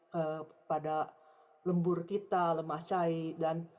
kepada lembur kita lemah cahaya